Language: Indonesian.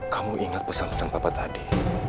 kamu ingat pesan pesan bapak tadi